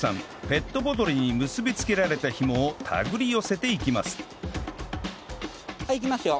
ペットボトルに結びつけられたひもを手繰り寄せていきますいきますよ。